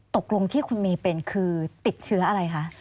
ตกลงที่คุณเมย์เป็นคือติดเชื้ออะไรคะ